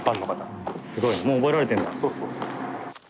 そうそうそうそう。